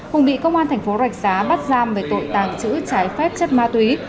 hùng bị công an thành phố rạch giá bắt giam về tội tàng trữ trái phép chất ma túy